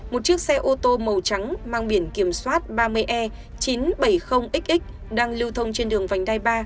một chiếc xe ô tô màu trắng mang biển kiểm soát ba mươi e chín trăm bảy mươi x đang lưu thông trên đường vành đai ba